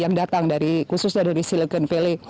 yang datang dari khususnya dari silicon valley